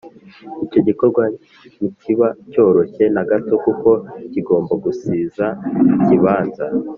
icyo gikorwa ntikiba cyoroshye na gato kuko kigomba gusiza ikibanza,